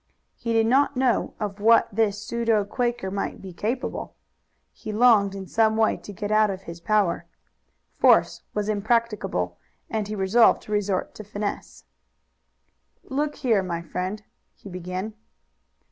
He did not know of what this pseudo Quaker might be capable. He longed in some way to get out of his power. Force was impracticable, and he resolved to resort to finesse. "Look here, my friend," he began.